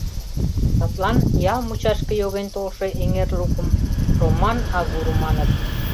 Садлан ял мучашке йоген толшо эҥер лукым Роман агур маныт.